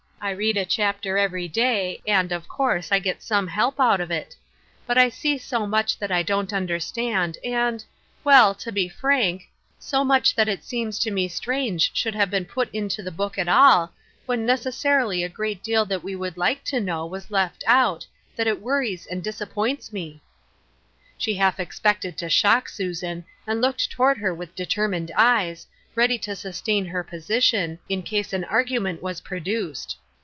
I read a chapter every day, and, of course, I get some help out of it ; but I see so much that I don't understand, and — well, to be frank, so much that it seems to me strange should have been put into the book at all, when necessarily a great deal that we would like to know was left out, that it worries and disappoints me." She half expected to shock Susan, and looked toward her with determined eyes, ready to sus tain her position, in case an argument was pro duced.